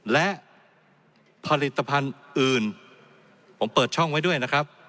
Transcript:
และผลิตภัณฑ์อื่นผมเปิดช่องไว้ด้วยนะครับ